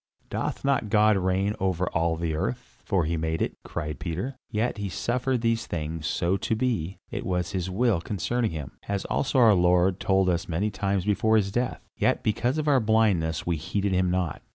"Doth not God reign over all the earth, for he made it?" cried Peter. "Yet he suffered these things so to be; it was his will concerning him, as also our Lord told us many times before his death, yet because of our blindness we heeded him not.